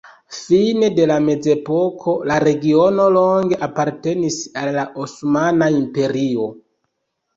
Fine de la mezepoko la regiono longe apartenis al la Osmana Imperio.